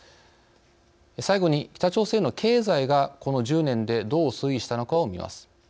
最後に、北朝鮮の経済がこの１０年でどう推移したのかをみます。